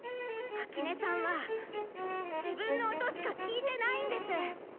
秋音さんは自分の音しか聴いてないんです。